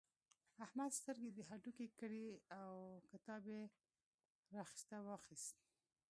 احمد سترګې د هډوکې کړې او کتاب يې راڅخه واخيست.